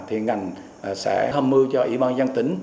thì ngành sẽ hâm mưu cho ủy ban dân tỉnh